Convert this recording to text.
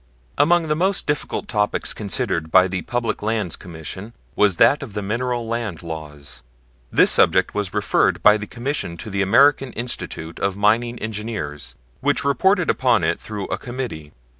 Among the most difficult topics considered by the Public Lands Commission was that of the mineral land laws. This subject was referred by the Commission to the American Institute of Mining Engineers, which reported upon it through a Committee.